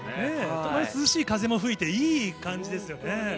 たまに涼しい風も吹いて、いい感じですよね。